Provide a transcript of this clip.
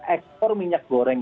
ekor minyak goreng